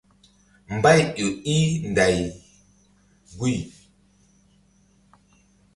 Mbay ƴo í nday guy.